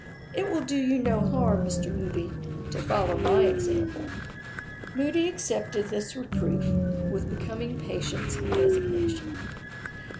It will do you no harm, Mr. Moody, to follow my example." Moody accepted his reproof with becoming patience and resignation.